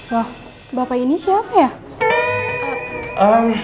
wah bapak ini siapa ya